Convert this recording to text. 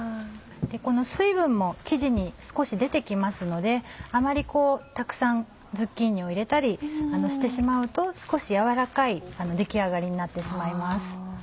この水分も生地に少し出て来ますのであまりたくさんズッキーニを入れたりしてしまうと少し軟らかい出来上がりになってしまいます。